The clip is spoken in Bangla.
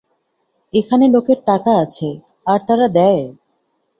এখানে লোকের টাকা আছে, আর তারা দেয়।